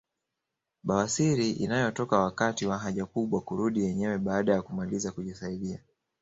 Bawasiri inayotoka wakati wa haja kubwa kurudi yenyewe baada ya kumaliza kujisaidia